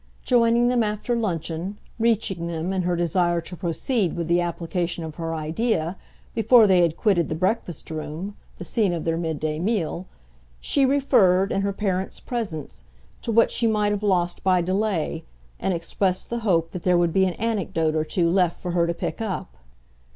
Joining them after luncheon, reaching them, in her desire to proceed with the application of her idea, before they had quitted the breakfast room, the scene of their mid day meal, she referred, in her parent's presence, to what she might have lost by delay, and expressed the hope that there would be an anecdote or two left for her to pick up.